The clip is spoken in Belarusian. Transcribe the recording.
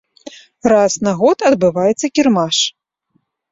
Раз на год адбываецца кірмаш.